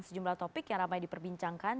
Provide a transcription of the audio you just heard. sejumlah topik yang ramai diperbincangkan